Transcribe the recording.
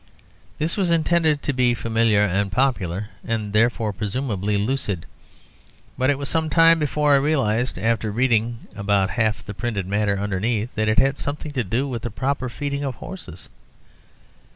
This was intended to be familiar and popular, and therefore, presumably, lucid. But it was some time before I realised, after reading about half the printed matter underneath, that it had something to do with the proper feeding of horses.